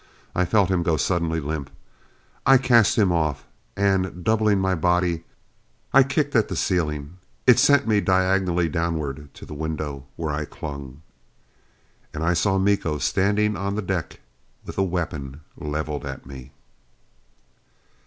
I felt him go suddenly limp. I cast him off and, doubling my body, I kicked at the ceiling. It sent me diagonally downward to the window, where I clung. And I saw Miko standing on the deck with a weapon leveled at me!